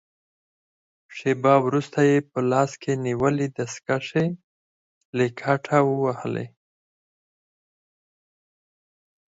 شېبه وروسته يې په لاس کې نیولې دستکشې له کټه ووهلې.